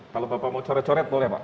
kalau bapak mau coret coret boleh pak